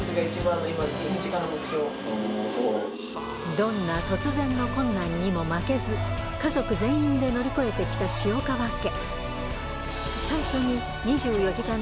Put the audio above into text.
どんな突然の困難にも負けず家族全員で乗り越えて来た塩川家